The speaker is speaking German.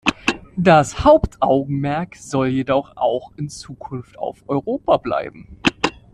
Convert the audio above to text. Das Hauptaugenmerk soll jedoch auch in Zukunft auf Europa bleiben.